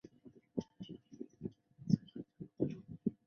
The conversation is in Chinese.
主要城镇为洛特河畔新城。